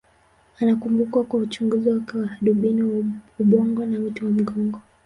Anakumbukwa kwa uchunguzi wake wa hadubini wa ubongo na uti wa mgongo.